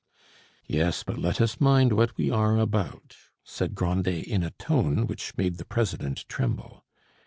"Yes, but let us mind what we are about," said Grandet in a tone which made the president tremble.